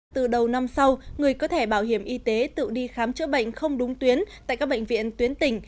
từ đầu năm sau người có thẻ bảo hiểm y tế tự đi khám chữa bệnh không đúng tuyến tại các bệnh viện tuyến tỉnh